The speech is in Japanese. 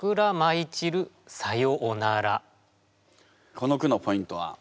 この句のポイントは？